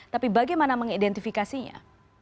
tapi bagaimana mengidentifikasinya